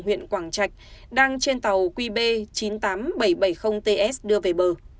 huyện quảng trạch đang trên tàu qb chín mươi tám nghìn bảy trăm bảy mươi ts đưa về bờ